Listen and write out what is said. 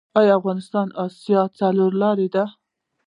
آیا افغانستان د اسیا څلور لارې ده؟